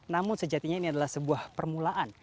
namun sejatinya ini adalah sebuah permulaan